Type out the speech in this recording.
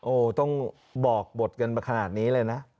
โอ้โหต้องบอกบทกันมาขนาดนี้เลยนะ